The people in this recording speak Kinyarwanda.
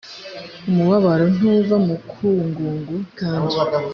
umubabaro ntuva mu mukungugu kandi